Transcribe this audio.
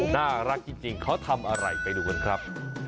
น่ารักจริงเขาทำอะไรไปดูกันครับ